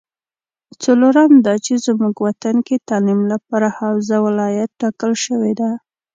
څلورم دا چې زمونږ وطن کې تعلیم لپاره حوزه ولایت ټاکل شوې ده